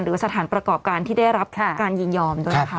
หรือสถานประกอบการที่ได้รับการยินยอมด้วยนะคะ